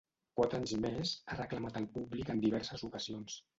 Quatre anys més, ha reclamat el públic en diverses ocasions.